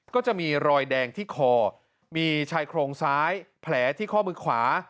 ก็จะมีรอยแดงที่คอมีชายโครงซ้ายแผลที่ข้อมือขวา